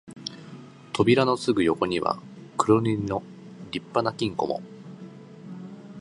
扉のすぐ横には黒塗りの立派な金庫も、